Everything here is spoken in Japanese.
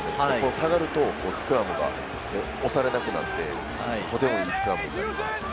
下がるとスクラムが押されなくなってとてもいいスクラムになります。